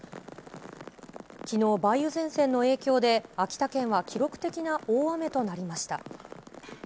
きのう、梅雨前線の影響で、秋田県は記録的な大雨となりました。